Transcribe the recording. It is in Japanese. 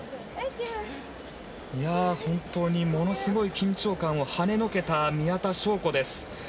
本当にものすごい緊張感をはねのけた宮田笙子です。